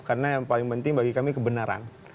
karena yang paling penting bagi kami kebenaran